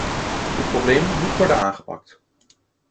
Dit probleem moet worden aangepakt.